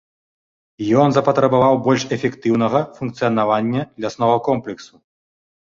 Ён запатрабаваў больш эфектыўнага функцыянавання ляснога комплексу.